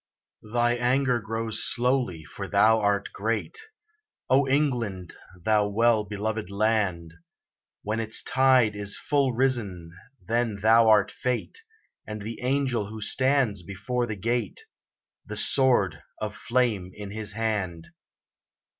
Thy anger grows slowly, for thou art great, O England! thou well beloved land; When its tide is full risen, then thou art Fate, And the angel who stands before the gate, The sword of flame in his hand!